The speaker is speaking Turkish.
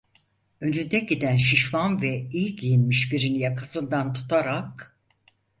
Önünde giden şişman ve iyi giyinmiş birini yakasından tutarak: